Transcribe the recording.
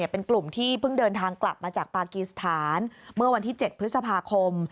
เป็นกลุ่มที่เพิ่งเดินทางกลับมาจากปากีสถานเมื่อวันที่๗พฤษภาคม